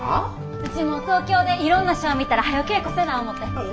ウチも東京でいろんなショー見たらはよ稽古せな思て。